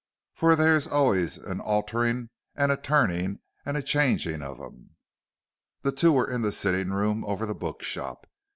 "For they're allays an altering and a turning and a changing of 'em." The two were in the sitting room over the bookshop.